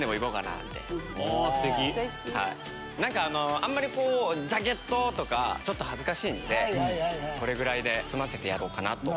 あんまりジャケットとかちょっと恥ずかしいんでこれぐらいで済ませてやろうかなと。